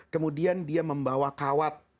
kemudian dia membawa kawat